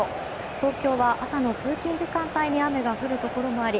東京は朝の通勤時間帯に雨が降るところもあり